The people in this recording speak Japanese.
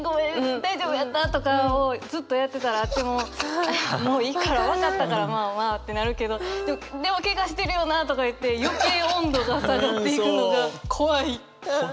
大丈夫やった？とかをずっとやってたらもうもういいから分かったからまあまあってなるけどでもケガしてるよなとかいって余計温度が下がっていくのが怖い。